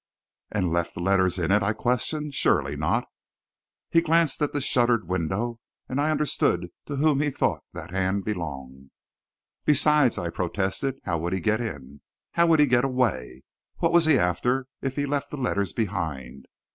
"And left the letters in it?" I questioned. "Surely not!" He glanced at the shuttered window, and I understood to whom he thought that hand belonged. "Besides," I protested, "how would he get in? How would he get away? What was he after, if he left the letters behind?"